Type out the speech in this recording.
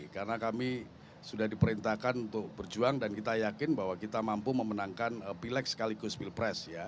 karena kami sudah diperintahkan untuk berjuang dan kita yakin bahwa kita mampu memenangkan pilek sekaligus pilpres